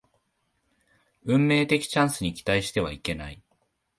運命的なチャンスに期待してはいけない